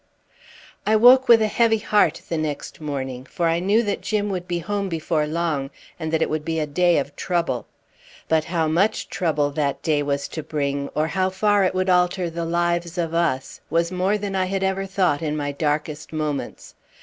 I woke with a heavy heart the next morning, for I knew that Jim would be home before long, and that it would be a day of trouble. But how much trouble that day was to bring, or how far it would alter the lives of us, was more than I had ever thought in my darkest moments.